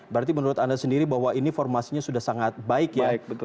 berarti menurut anda sendiri bahwa ini formasinya sudah sangat baik ya